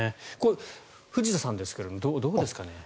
藤田さんですが、どうですかね。